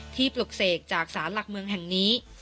ปลุกเสกจากสารหลักเมืองแห่งนี้